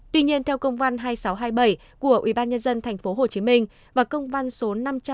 tuy nhiên theo công văn hai nghìn sáu trăm hai mươi bảy của ubnd tp hcm và công văn số năm trăm sáu mươi